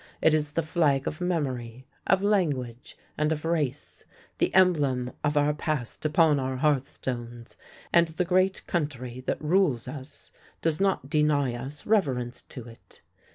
It is the flag of memory — of language, and of race, the emblem of our past upon our hearth stones; and the great country that rules us does not deny us reverence to it.